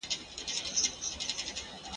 نه به دي د سره سالو پلو ته غزل ولیکي ..